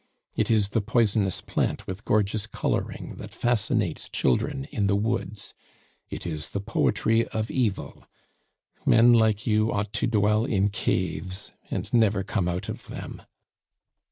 It is the poisonous plant with gorgeous coloring that fascinates children in the woods. It is the poetry of evil. Men like you ought to dwell in caves and never come out of them.